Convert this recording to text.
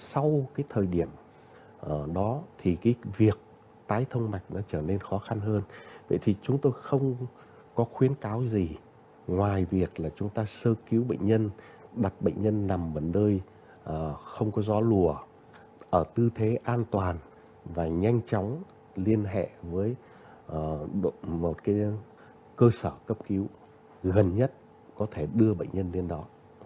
sau cái thời điểm đó thì cái việc tái thông mạch nó trở nên khó khăn hơn vậy thì chúng tôi không có khuyến cáo gì ngoài việc là chúng ta sơ cứu bệnh nhân đặt bệnh nhân nằm ở nơi không có gió lùa ở tư thế an toàn và nhanh chóng liên hệ với một cái cơ sở cấp cứu gần nhất có thể đưa bệnh nhân đến đó